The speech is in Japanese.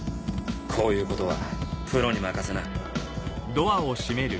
こういうことはプロに任せな。